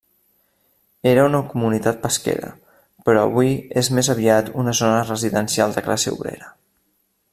Era una comunitat pesquera, però avui és més aviat una zona residencial de classe obrera.